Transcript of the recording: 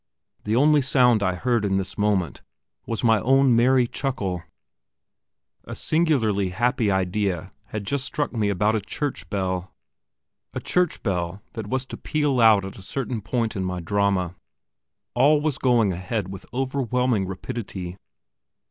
The only sound I heard in this moment was my own merry chuckle. A singularly happy idea had just struck me about a church bell a church bell that was to peal out at a certain point in my drama. All was going ahead with overwhelming rapidity.